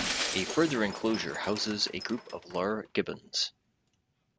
A further enclosure houses a group of lar gibbons.